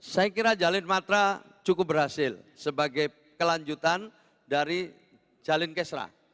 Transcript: saya kira jalil matra cukup berhasil sebagai kelanjutan dari jalil kisra